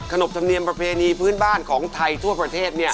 บธรรมเนียมประเพณีพื้นบ้านของไทยทั่วประเทศ